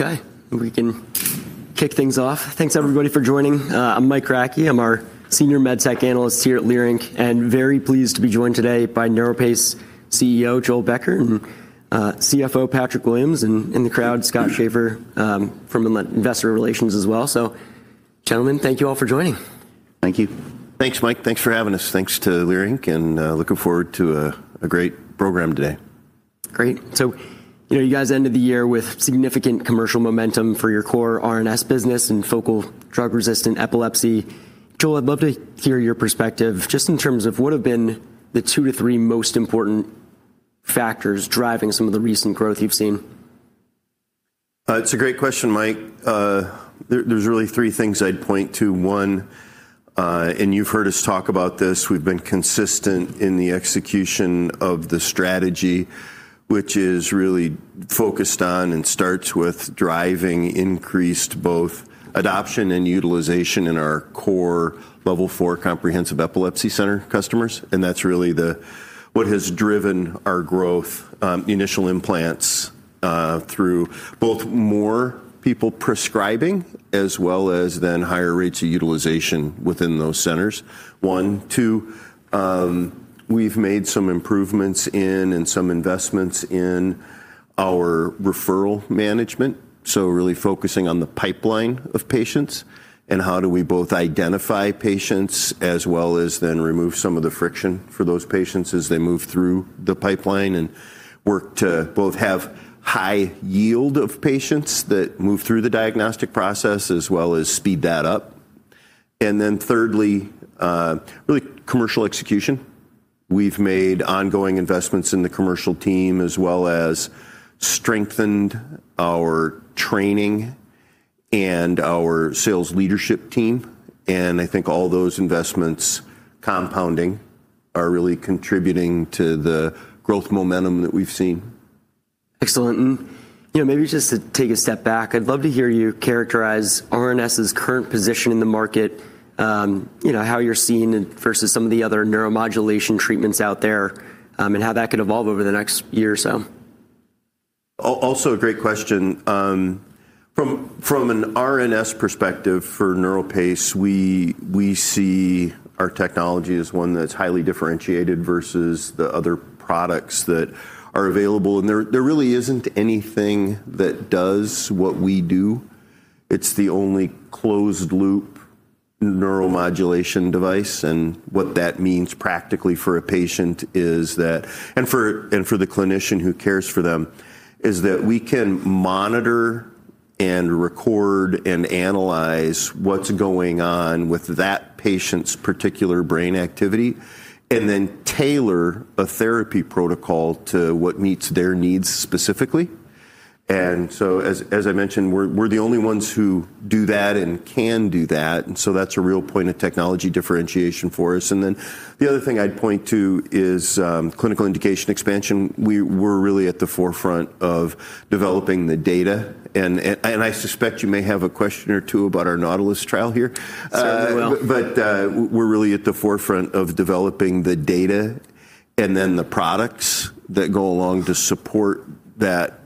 Okay. We can kick things off. Thanks, everybody, for joining. I'm Mike Kratky. I'm our Senior MedTech Analyst here at Leerink, and very pleased to be joined today by NeuroPace CEO Joel Becker, and CFO Patrick Williams, and in the crowd, Scott Schaper from Investor Relations as well. Gentlemen, thank you all for joining. Thank you. Thanks, Mike. Thanks for having us. Thanks to Leerink, looking forward to a great program today. Great. You know, you guys ended the year with significant commercial momentum for your core RNS business and focal drug-resistant epilepsy. Joel, I'd love to hear your perspective just in terms of what have been the two-three most important factors driving some of the recent growth you've seen. It's a great question, Mike. There's really three things I'd point to. One, and you've heard us talk about this, we've been consistent in the execution of the strategy, which is really focused on and starts with driving increased both adoption and utilization in our core Level 4 comprehensive epilepsy center customers, and that's really what has driven our growth, initial implants, through both more people prescribing as well as then higher rates of utilization within those centers. One. Two, we've made some improvements in, and some investments in our referral management, so really focusing on the pipeline of patients and how do we both identify patients as well as then remove some of the friction for those patients as they move through the pipeline and work to both have high yield of patients that move through the diagnostic process as well as speed that up. Thirdly, really commercial execution. We've made ongoing investments in the commercial team, as well as strengthened our training and our sales leadership team. I think all those investments compounding are really contributing to the growth momentum that we've seen. Excellent. You know, maybe just to take a step back, I'd love to hear you characterize RNS's current position in the market, you know, how you're seen versus some of the other neuromodulation treatments out there, and how that could evolve over the next year or so? Also a great question. From an RNS perspective for NeuroPace, we see our technology as one that's highly differentiated versus the other products that are available. There really isn't anything that does what we do. It's the only closed-loop neuromodulation device. What that means practically for a patient is that, and for the clinician who cares for them, is that we can monitor and record and analyze what's going on with that patient's particular brain activity, and then tailor a therapy protocol to what meets their needs specifically. As I mentioned, we're the only ones who do that and can do that. That's a real point of technology differentiation for us. Then the other thing I'd point to is clinical indication expansion. We're really at the forefront of developing the data. I suspect you may have a question or two about our NAUTILUS trial here. Certainly will. We're really at the forefront of developing the data and then the products that go along to support that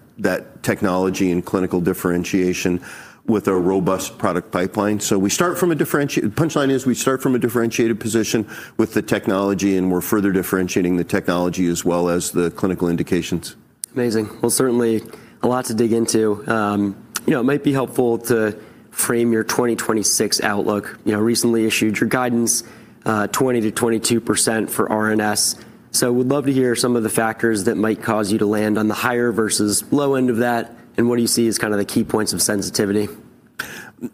technology and clinical differentiation with a robust product pipeline. Punchline is we start from a differentiated position with the technology, and we're further differentiating the technology as well as the clinical indications. Amazing. Well, certainly a lot to dig into. You know, it might be helpful to frame your 2026 outlook. You know, recently issued your guidance, 20%-22% for RNS. Would love to hear some of the factors that might cause you to land on the higher versus low end of that, and what do you see as kind of the key points of sensitivity?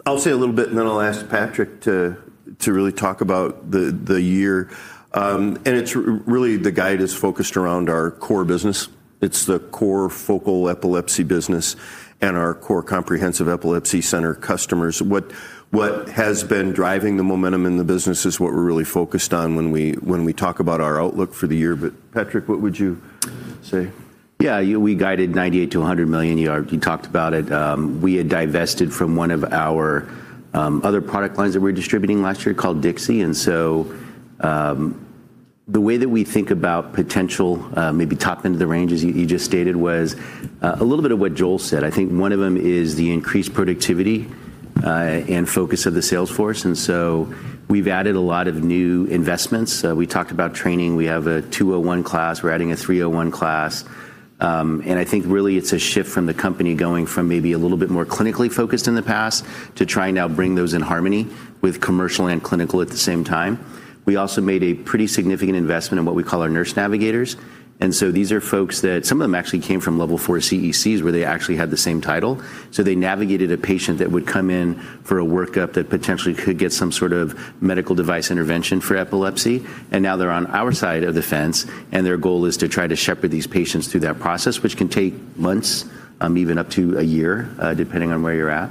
I'll say a little bit, and then I'll ask Patrick to really talk about the year. It's really the guide is focused around our core business. It's the core focal epilepsy business and our core comprehensive epilepsy center customers. What has been driving the momentum in the business is what we're really focused on when we talk about our outlook for the year. Patrick, what would you say? Yeah. We guided $98 million-$100 million. You talked about it. We had divested from one of our other product lines that we were distributing last year called DIXI. The way that we think about potential maybe top end of the range as you just stated was a little bit of what Joel said. I think one of them is the increased productivity and focus of the sales force. We've added a lot of new investments. We talked about training. We have a 201 class. We're adding a 301 class. I think really it's a shift from the company going from maybe a little bit more clinically focused in the past to try and now bring those in harmony with commercial and clinical at the same time. We also made a pretty significant investment in what we call our nurse navigators. These are folks that some of them actually came from Level 4 CECs, where they actually had the same title. They navigated a patient that would come in for a workup that potentially could get some sort of medical device intervention for epilepsy. Now they're on our side of the fence, and their goal is to try to shepherd these patients through that process, which can take months, even up to a year, depending on where you're at.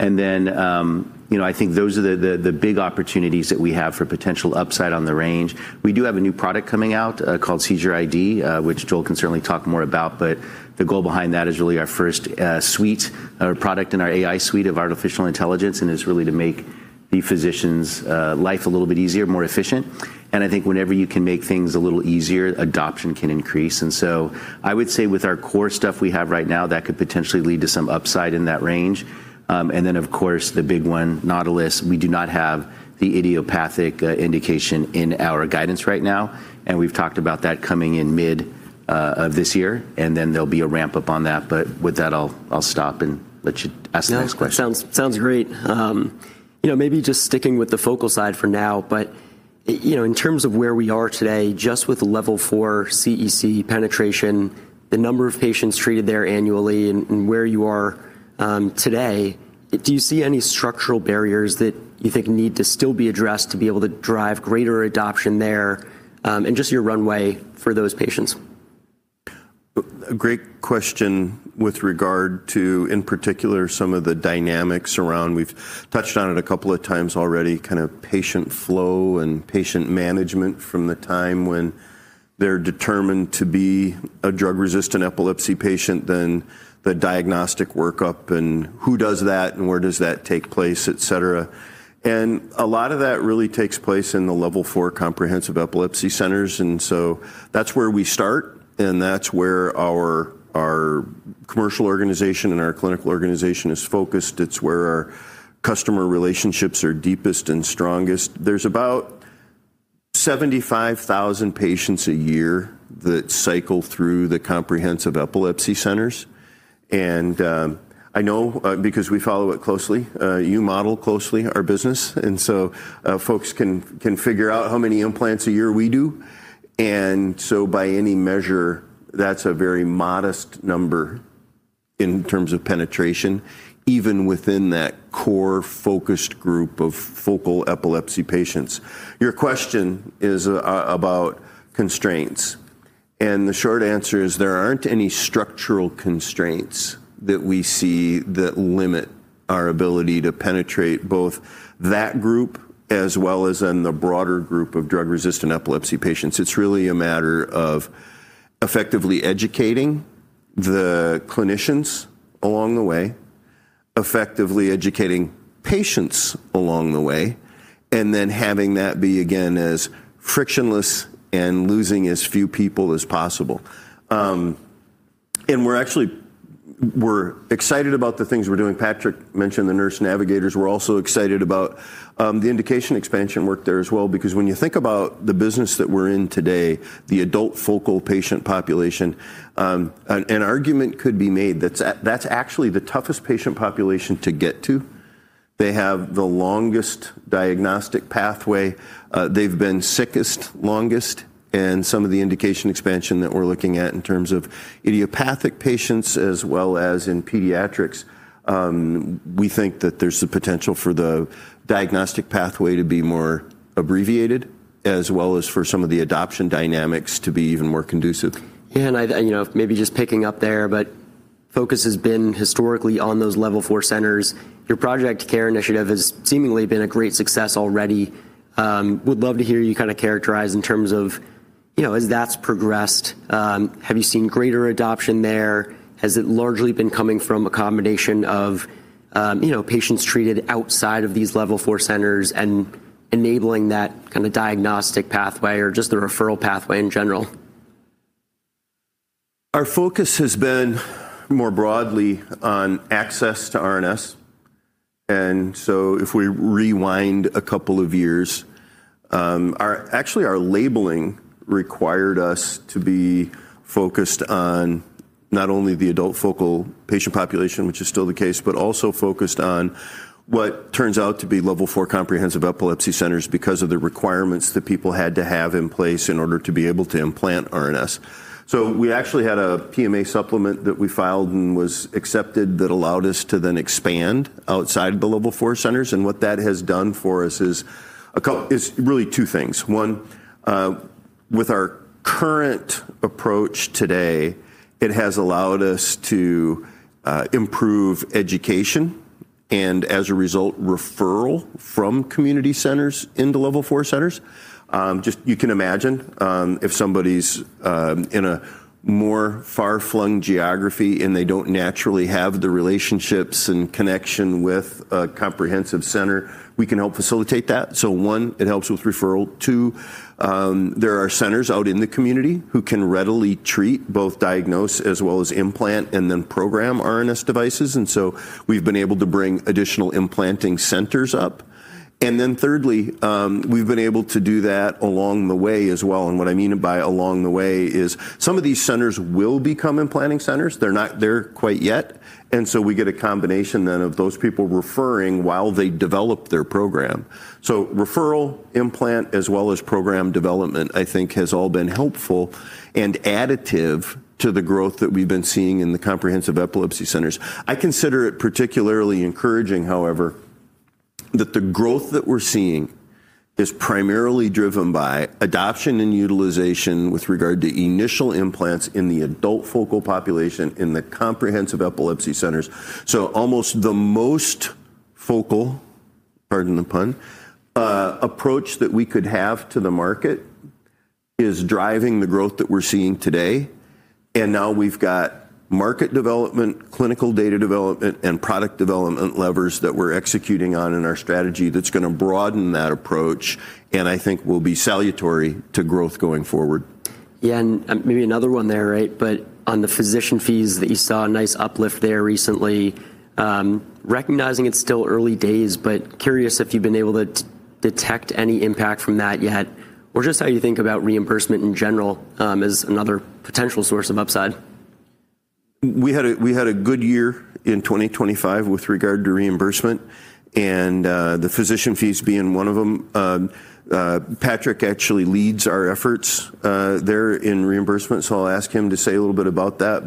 You know, I think those are the big opportunities that we have for potential upside on the range. We do have a new product coming out, called SeizureID, which Joel can certainly talk more about. The goal behind that is really our first suite or product in our AI suite of artificial intelligence, and it's really to make The physician's life a little bit easier, more efficient. I think whenever you can make things a little easier, adoption can increase. I would say with our core stuff we have right now, that could potentially lead to some upside in that range. Of course, the big one, NAUTILUS, we do not have the idiopathic indication in our guidance right now, and we've talked about that coming in mid of this year, and then there'll be a ramp-up on that. With that, I'll stop and let you ask the next question. No, sounds great. You know, maybe just sticking with the focal side for now, but you know, in terms of where we are today, just with Level 4 CEC penetration, the number of patients treated there annually and where you are today, do you see any structural barriers that you think need to still be addressed to be able to drive greater adoption there, and just your runway for those patients? A great question with regard to, in particular, some of the dynamics around. We've touched on it a couple of times already, kind of patient flow and patient management from the time when they're determined to be a drug-resistant epilepsy patient, then the diagnostic workup and who does that and where does that take place, et cetera. A lot of that really takes place in the Level 4 comprehensive epilepsy centers, and so that's where we start, and that's where our commercial organization and our clinical organization is focused. It's where our customer relationships are deepest and strongest. There's about 75,000 patients a year that cycle through the comprehensive epilepsy centers, and I know, because we follow it closely, you model closely our business, and so, folks can figure out how many implants a year we do. By any measure, that's a very modest number in terms of penetration, even within that core focused group of focal epilepsy patients. Your question is about constraints, and the short answer is there aren't any structural constraints that we see that limit our ability to penetrate both that group as well as in the broader group of drug-resistant epilepsy patients. It's really a matter of effectively educating the clinicians along the way, effectively educating patients along the way, and then having that be, again, as frictionless and losing as few people as possible. We're excited about the things we're doing. Patrick mentioned the nurse navigators. We're also excited about the indication expansion work there as well because when you think about the business that we're in today, the adult focal patient population, an argument could be made that's actually the toughest patient population to get to. They have the longest diagnostic pathway, they've been sickest longest, and some of the indication expansion that we're looking at in terms of idiopathic patients as well as in pediatrics, we think that there's the potential for the diagnostic pathway to be more abbreviated, as well as for some of the adoption dynamics to be even more conducive. I you know, maybe just picking up there, but focus has been historically on those Level 4 centers. Your Project CARE initiative has seemingly been a great success already. Would love to hear you kind of characterize in terms of, you know, as that's progressed, have you seen greater adoption there? Has it largely been coming from a combination of, you know, patients treated outside of these Level 4 centers and enabling that kind of diagnostic pathway or just the referral pathway in general? Our focus has been more broadly on access to RNS. If we rewind a couple of years, actually, our labeling required us to be focused on not only the adult focal patient population, which is still the case, but also focused on what turns out to be Level 4 comprehensive epilepsy centers because of the requirements that people had to have in place in order to be able to implant RNS. We actually had a PMA supplement that we filed and was accepted that allowed us to then expand outside the Level 4 centers, and what that has done for us is really two things. One, with our current approach today, it has allowed us to improve education and, as a result, referral from community centers into Level 4 centers. Just you can imagine, if somebody's in a more far-flung geography and they don't naturally have the relationships and connection with a comprehensive center, we can help facilitate that. One, it helps with referral. Two, there are centers out in the community who can readily treat, both diagnose as well as implant and then program RNS devices. We've been able to bring additional implanting centers up. Thirdly, we've been able to do that along the way as well, and what I mean by along the way is some of these centers will become implanting centers. They're not there quite yet. We get a combination then of those people referring while they develop their program. Referral, implant, as well as program development, I think has all been helpful and additive to the growth that we've been seeing in the comprehensive epilepsy centers. I consider it particularly encouraging, however, that the growth that we're seeing is primarily driven by adoption and utilization with regard to initial implants in the adult focal population in the comprehensive epilepsy centers. Almost the most focal, pardon the pun, approach that we could have to the market is driving the growth that we're seeing today. Now we've got market development, clinical data development, and product development levers that we're executing on in our strategy that's gonna broaden that approach, and I think will be salutary to growth going forward. Yeah, maybe another one there, right? On the physician fees that you saw a nice uplift there recently, recognizing it's still early days, but curious if you've been able to detect any impact from that yet, or just how you think about reimbursement in general, as another potential source of upside. We had a good year in 2025 with regard to reimbursement and the physician fees being one of them. Patrick actually leads our efforts there in reimbursement, so I'll ask him to say a little bit about that.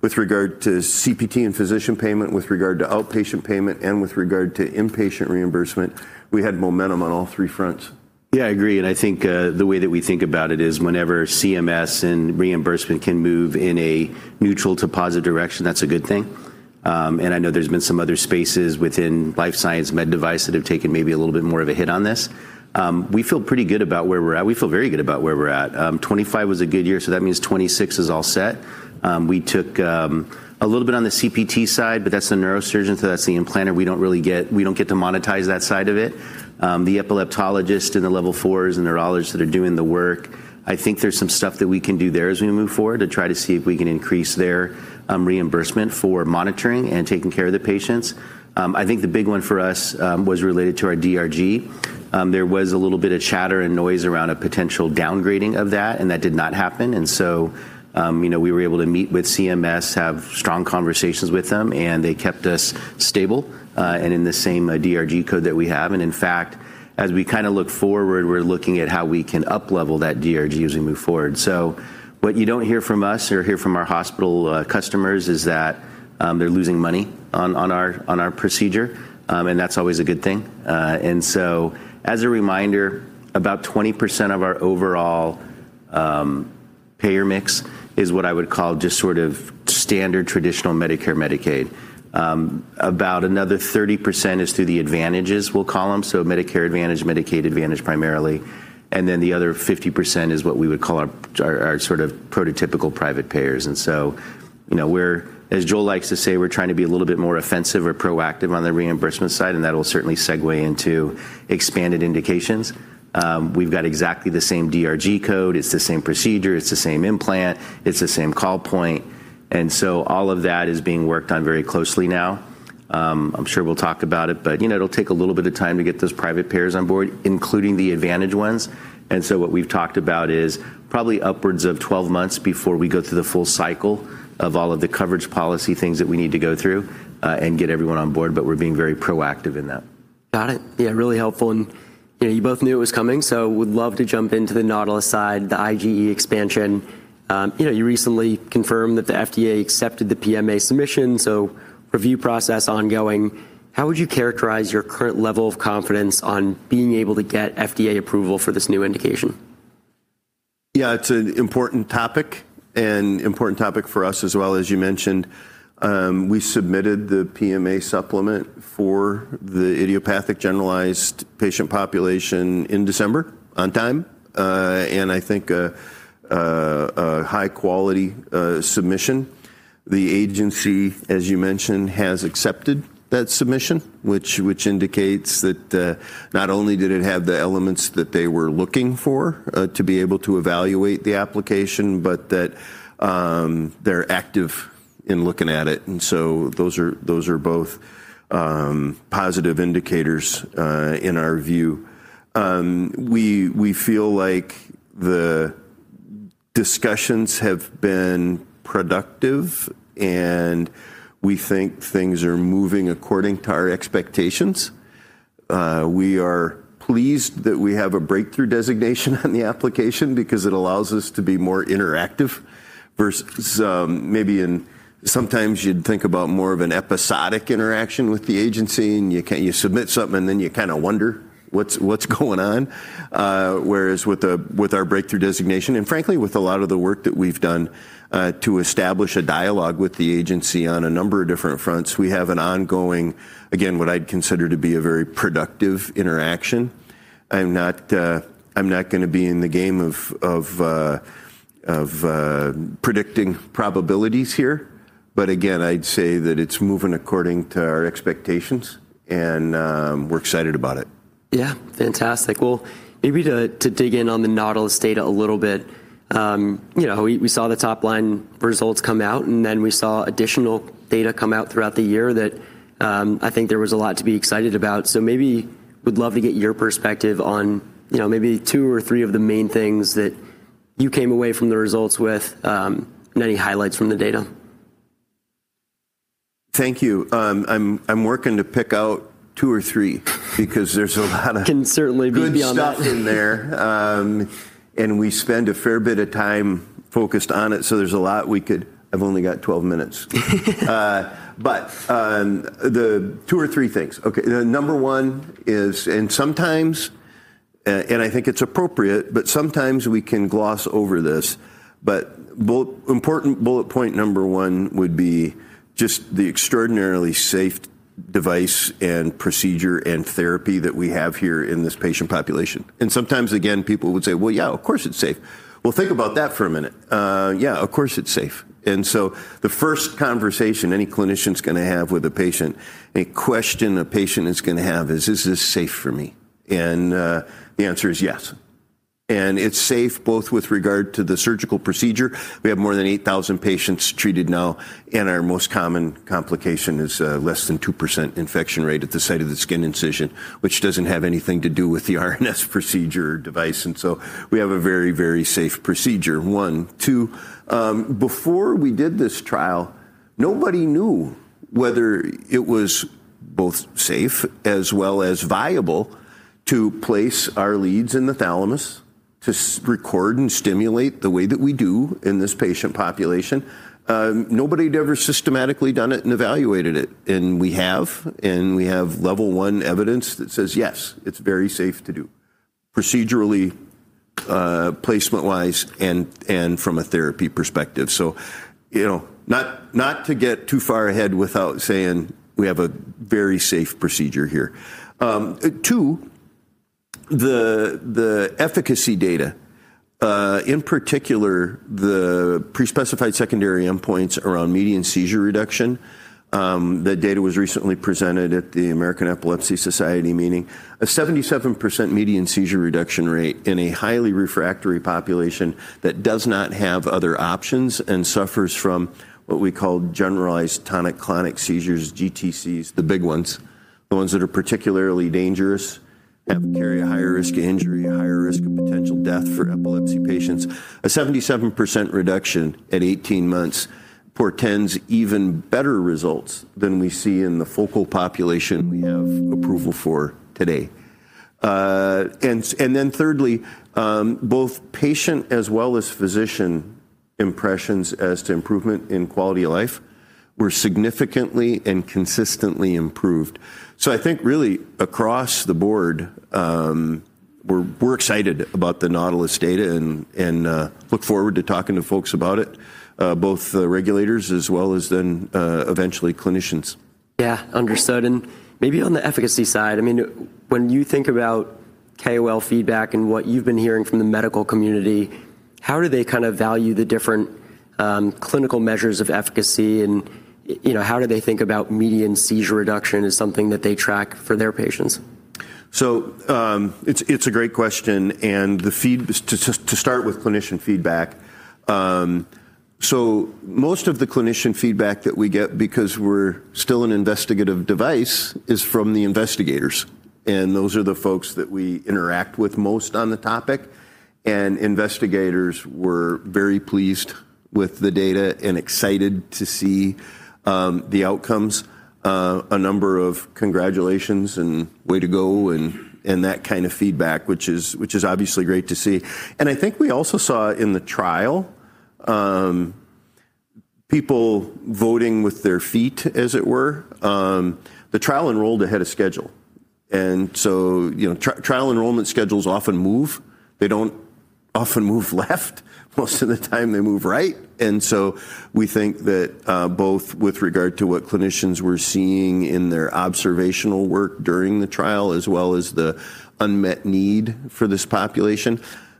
With regard to CPT and physician payment, with regard to outpatient payment, and with regard to inpatient reimbursement, we had momentum on all three fronts. Yeah, I agree. I think the way that we think about it is whenever CMS and reimbursement can move in a neutral to positive direction, that's a good thing. I know there's been some other spaces within life science med device that have taken maybe a little bit more of a hit on this. We feel pretty good about where we're at. We feel very good about where we're at. 2025 was a good year, so that means 2026 is all set. We took a little bit on the CPT side, but that's the neurosurgeon, so that's the implanter. We don't get to monetize that side of it. The epileptologist and the Level 4s and the neurologists that are doing the work, I think there's some stuff that we can do there as we move forward to try to see if we can increase their reimbursement for monitoring and taking care of the patients. I think the big one for us was related to our DRG. There was a little bit of chatter and noise around a potential downgrading of that, and that did not happen. You know, we were able to meet with CMS, have strong conversations with them, and they kept us stable and in the same DRG code that we have. In fact, as we kinda look forward, we're looking at how we can uplevel that DRG as we move forward. What you don't hear from us or hear from our hospital customers is that they're losing money on our procedure. That's always a good thing. As a reminder, about 20% of our overall payer mix is what I would call just sort of standard traditional Medicare, Medicaid. About another 30% is through the advantages, we'll call them. Medicare Advantage, Medicaid Advantage primarily. Then the other 50% is what we would call our sort of prototypical private payers. You know, as Joel likes to say, we're trying to be a little bit more offensive or proactive on the reimbursement side, and that'll certainly segue into expanded indications. We've got exactly the same DRG code. It's the same procedure. It's the same implant. It's the same call point. All of that is being worked on very closely now. I'm sure we'll talk about it, but you know, it'll take a little bit of time to get those private payers on board, including the advantage ones. What we've talked about is probably upwards of 12 months before we go through the full cycle of all of the coverage policy things that we need to go through, and get everyone on board, but we're being very proactive in that. Got it. Yeah, really helpful. You know, you both knew it was coming, so would love to jump into the NAUTILUS side, the IGE expansion. You know, you recently confirmed that the FDA accepted the PMA submission, so review process ongoing. How would you characterize your current level of confidence on being able to get FDA approval for this new indication? Yeah, it's an important topic for us as well. As you mentioned, we submitted the PMA supplement for the idiopathic generalized patient population in December on time. I think a high-quality submission. The agency, as you mentioned, has accepted that submission, which indicates that not only did it have the elements that they were looking for to be able to evaluate the application, but that they're active in looking at it. Those are both positive indicators in our view. We feel like the discussions have been productive, and we think things are moving according to our expectations. We are pleased that we have a breakthrough designation on the application because it allows us to be more interactive versus, maybe sometimes you'd think about more of an episodic interaction with the agency, and you submit something, and then you kinda wonder what's going on. Whereas with our breakthrough designation, and frankly, with a lot of the work that we've done, to establish a dialogue with the agency on a number of different fronts, we have an ongoing, again, what I'd consider to be a very productive interaction. I'm not gonna be in the game of predicting probabilities here. Again, I'd say that it's moving according to our expectations, and we're excited about it. Yeah. Fantastic. Well, maybe to dig in on the NAUTILUS data a little bit. You know, we saw the top-line results come out, and then we saw additional data come out throughout the year that I think there was a lot to be excited about. Maybe would love to get your perspective on, you know, maybe two or three of the main things that you came away from the results with, and any highlights from the data. Thank you. I'm working to pick out two or three because there's a lot of- Can certainly be beyond that. Good stuff in there. We spend a fair bit of time focused on it, so there's a lot we could. I've only got 12 minutes. The two or three things. Okay. Number one is. I think it's appropriate, but sometimes we can gloss over this, but important bullet point number one would be just the extraordinarily safe device and procedure and therapy that we have here in this patient population. Sometimes, again, people would say, "Well, yeah, of course it's safe." Well, think about that for a minute. Yeah, of course it's safe. The first conversation any clinician's gonna have with a patient and question a patient is gonna have is, "Is this safe for me?" The answer is yes. It's safe both with regard to the surgical procedure. We have more than 8,000 patients treated now, and our most common complication is less than 2% infection rate at the site of the skin incision, which doesn't have anything to do with the RNS procedure or device. We have a very safe procedure, one. Two, before we did this trial, nobody knew whether it was both safe as well as viable to place our leads in the thalamus to record and stimulate the way that we do in this patient population. Nobody'd ever systematically done it and evaluated it, and we have level 1 evidence that says, yes, it's very safe to do procedurally, placement-wise, and from a therapy perspective. You know, not to get too far ahead without saying we have a very safe procedure here. Two, the efficacy data in particular the pre-specified secondary endpoints around median seizure reduction, that data was recently presented at the American Epilepsy Society Meeting. A 77% median seizure reduction rate in a highly refractory population that does not have other options and suffers from what we call generalized tonic-clonic seizures, GTCs, the big ones, the ones that are particularly dangerous, carry a higher risk of injury, a higher risk of potential death for epilepsy patients. A 77% reduction at 18 months portends even better results than we see in the focal population we have approval for today. Thirdly, both patient as well as physician impressions as to improvement in quality of life were significantly and consistently improved. I think really across the board, we're excited about the NAUTILUS data and look forward to talking to folks about it, both the regulators as well as then eventually clinicians. Yeah. Understood. Maybe on the efficacy side, I mean, when you think about KOL feedback and what you've been hearing from the medical community, how do they kind of value the different clinical measures of efficacy and, you know, how do they think about median seizure reduction as something that they track for their patients? It's a great question and to start with clinician feedback, most of the clinician feedback that we get, because we're still an investigational device, is from the investigators, and those are the folks that we interact with most on the topic. Investigators were very pleased with the data and excited to see the outcomes, a number of congratulations and way to go and that kind of feedback, which is obviously great to see. I think we also saw in the trial people voting with their feet, as it were. The trial enrolled ahead of schedule. You know, trial enrollment schedules often move. They don't often move left. Most of the time they move right. We think that both with regard to what clinicians were seeing in their observational work during the trial as well as the unmet need for this population,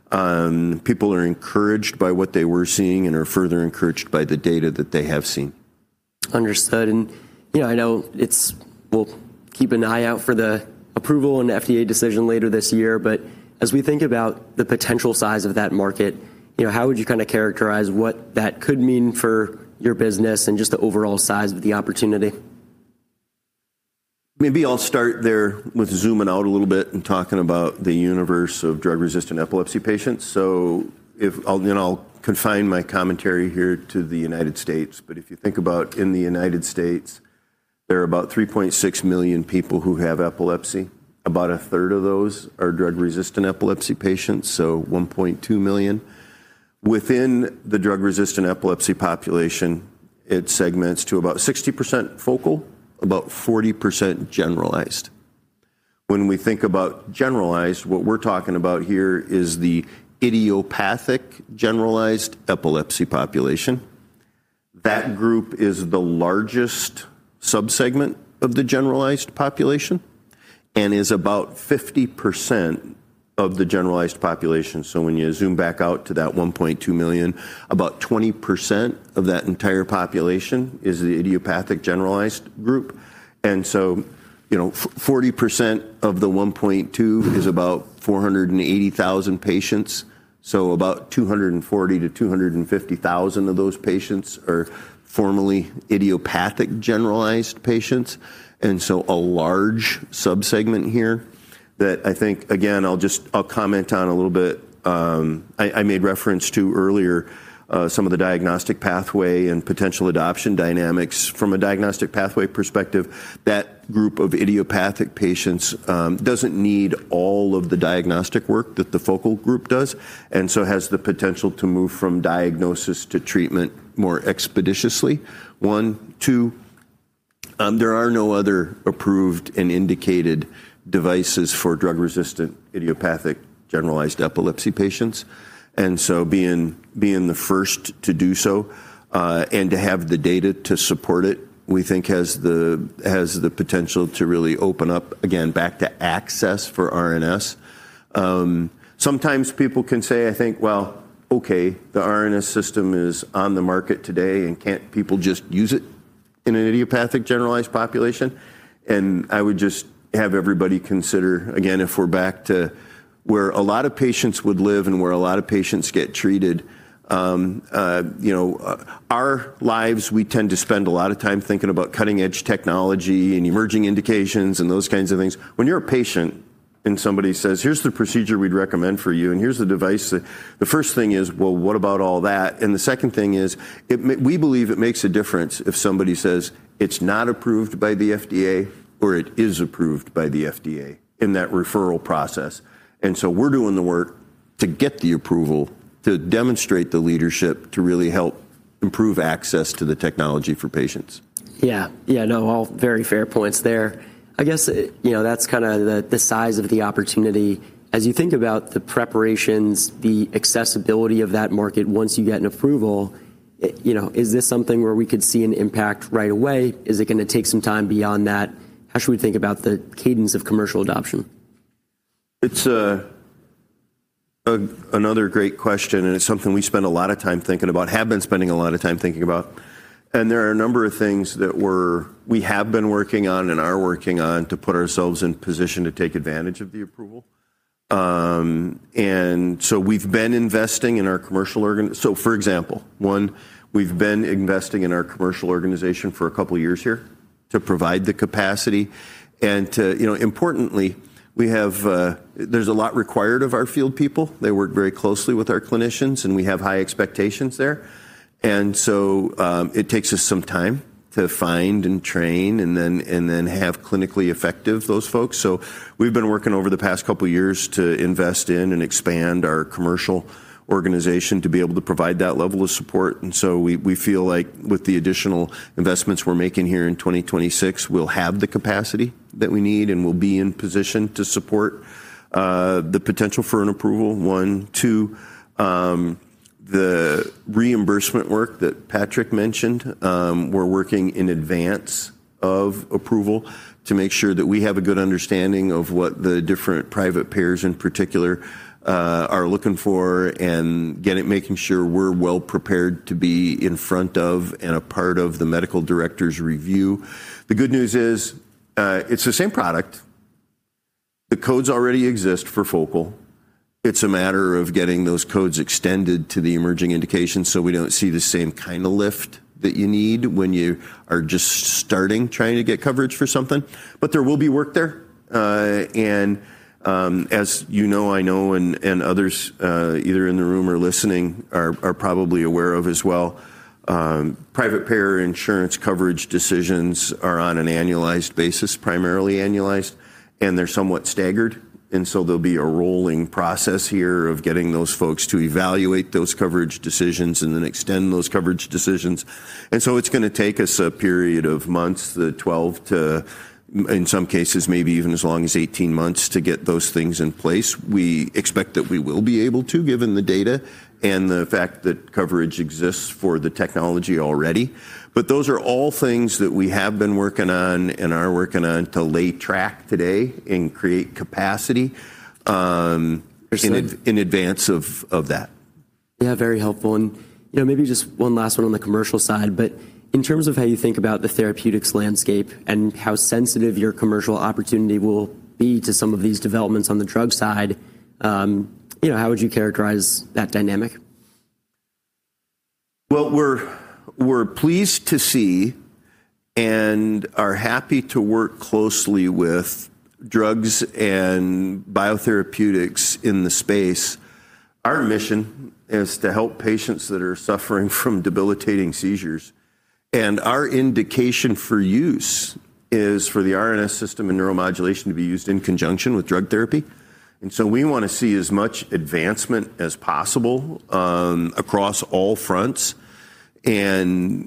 people are encouraged by what they were seeing and are further encouraged by the data that they have seen. Understood. You know, I know we'll keep an eye out for the approval and FDA decision later this year. As we think about the potential size of that market, you know, how would you kind of characterize what that could mean for your business and just the overall size of the opportunity? Maybe I'll start there with zooming out a little bit and talking about the universe of drug-resistant epilepsy patients. I'll confine my commentary here to the United States. If you think about, in the United States, there are about 3.6 million people who have epilepsy. About 1/3 of those are drug-resistant epilepsy patients, so 1.2 million. Within the drug-resistant epilepsy population, it segments to about 60% focal, about 40% generalized. When we think about generalized, what we're talking about here is the idiopathic generalized epilepsy population. That group is the largest subsegment of the generalized population and is about 50% of the generalized population. When you zoom back out to that 1.2 million, about 20% of that entire population is the idiopathic generalized group. You know, 40% of the 1.2 million is about 480,000 patients, so about 240,000-250,000 of those patients are formally idiopathic generalized patients, and so a large subsegment here that I think, again, I'll comment on a little bit. I made reference to earlier, some of the diagnostic pathway and potential adoption dynamics. From a diagnostic pathway perspective, that group of idiopathic patients doesn't need all of the diagnostic work that the focal group does, and so has the potential to move from diagnosis to treatment more expeditiously. One, two. There are no other approved and indicated devices for drug-resistant idiopathic generalized epilepsy patients. Being the first to do so, and to have the data to support it, we think has the potential to really open up again back to access for RNS. Sometimes people can say, I think, "Well, okay, the RNS System is on the market today, and can't people just use it in an idiopathic generalized population?" I would just have everybody consider, again, if we're back to where a lot of patients would live and where a lot of patients get treated, you know, our lives, we tend to spend a lot of time thinking about cutting-edge technology and emerging indications and those kinds of things. When you're a patient and somebody says, "Here's the procedure we'd recommend for you, and here's the device," the first thing is, "Well, what about all that?" The second thing is we believe it makes a difference if somebody says, "It's not approved by the FDA," or, "It is approved by the FDA," in that referral process. We're doing the work to get the approval to demonstrate the leadership to really help improve access to the technology for patients. Yeah. No, all very fair points there. I guess, you know, that's kinda the size of the opportunity. As you think about the preparations, the accessibility of that market once you get an approval, you know, is this something where we could see an impact right away? Is it gonna take some time beyond that? How should we think about the cadence of commercial adoption? It's another great question, and it's something we spend a lot of time thinking about, have been spending a lot of time thinking about, and there are a number of things that we have been working on and are working on to put ourselves in position to take advantage of the approval. We've been investing in our commercial organization. For example, one, we've been investing in our commercial organization for a couple years here to provide the capacity. You know, importantly, there's a lot required of our field people. They work very closely with our clinicians, and we have high expectations there. It takes us some time to find and train and then have clinically effective those folks. We've been working over the past couple years to invest in and expand our commercial organization to be able to provide that level of support. We feel like with the additional investments we're making here in 2026, we'll have the capacity that we need, and we'll be in position to support one, the potential for an approval. Two, the reimbursement work that Patrick mentioned, we're working in advance of approval to make sure that we have a good understanding of what the different private payers in particular are looking for and get it, making sure we're well prepared to be in front of and a part of the medical director's review. The good news is, it's the same product. The codes already exist for focal. It's a matter of getting those codes extended to the emerging indications, so we don't see the same kinda lift that you need when you are just starting trying to get coverage for something. There will be work there. As you know, I know, and others either in the room or listening are probably aware of as well, private payer insurance coverage decisions are on an annualized basis, primarily annualized, and they're somewhat staggered, and so there'll be a rolling process here of getting those folks to evaluate those coverage decisions and then extend those coverage decisions. It's gonna take us a period of months, in some cases, maybe even as long as 18 months to get those things in place. We expect that we will be able to, given the data and the fact that coverage exists for the technology already. Those are all things that we have been working on and are working on to lay track today and create capacity. Understood in advance of that. Yeah, very helpful. You know, maybe just one last one on the commercial side, but in terms of how you think about the therapeutics landscape and how sensitive your commercial opportunity will be to some of these developments on the drug side, you know, how would you characterize that dynamic? Well, we're pleased to see and are happy to work closely with drugs and biotherapeutics in the space. Our mission is to help patients that are suffering from debilitating seizures, and our indication for use is for the RNS System and neuromodulation to be used in conjunction with drug therapy. We wanna see as much advancement as possible, across all fronts. Unfortunately,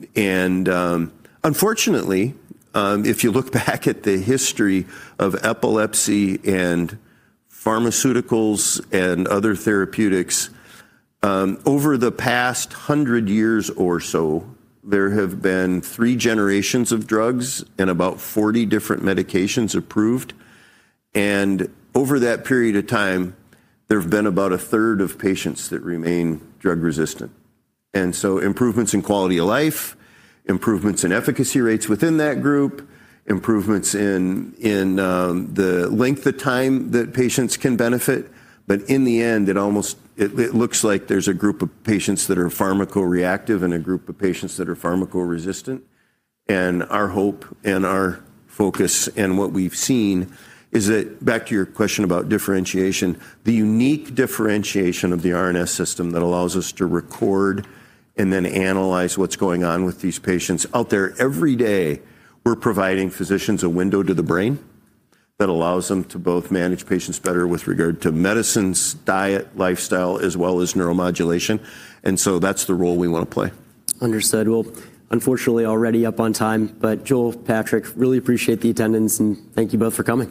if you look back at the history of epilepsy and pharmaceuticals and other therapeutics, over the past 100 years or so, there have been three generations of drugs and about 40 different medications approved. Over that period of time, there have been about a 1/3 of patients that remain drug-resistant. Improvements in quality of life, improvements in efficacy rates within that group, improvements in the length of time that patients can benefit. In the end, it looks like there's a group of patients that are pharmaco-reactive and a group of patients that are pharmaco-resistant. Our hope and our focus and what we've seen is that, back to your question about differentiation, the unique differentiation of the RNS System that allows us to record and then analyze what's going on with these patients out there every day, we're providing physicians a window to the brain that allows them to both manage patients better with regard to medicines, diet, lifestyle, as well as neuromodulation, and so that's the role we wanna play. Understood. Well, unfortunately already up on time, but Joel, Patrick, really appreciate the attendance, and thank you both for coming.